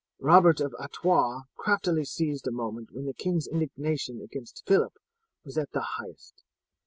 Robert of Artois craftily seized a moment when the king's indignation against Phillip was at the highest.